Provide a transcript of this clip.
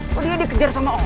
kok dia dikejar sama om